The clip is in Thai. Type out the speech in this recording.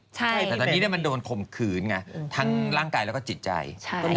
แต่ตอนนี้มันโดนข่มขืนไงทั้งร่างกายแล้วก็จิตใจ